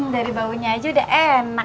dari baunya aja udah enak